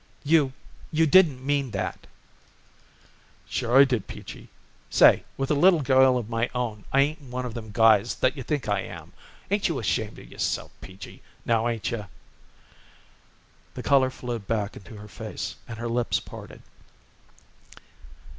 "You you didn't mean that." "Sure I did, Peachy. Say, with a little girl of my own I ain't one of them guys that you think I am. Ain't you ashamed of yourself, Peachy now ain't you?" The color flowed back into her face and her lips parted.